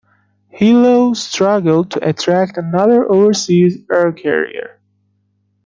Hilo struggled to attract another overseas air carrier.